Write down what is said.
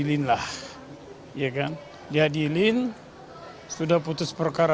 nanti ke nanti nanti ke nanti sampai saat ini tidak dikembalikan kpk